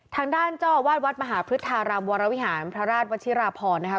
ทางด้านเจ้าอาวาสวัดมหาพฤทธารามวรวิหารพระราชวัชิราพรนะคะ